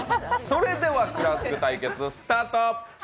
それではクラスク対決スタート！